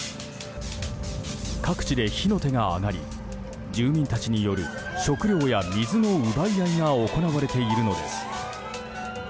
各地で火の手が上がり住民たちによる食料や水の奪い合いが行われているのです。